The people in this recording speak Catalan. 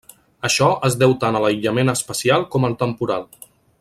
Això es deu tant a l'aïllament espacial com al temporal.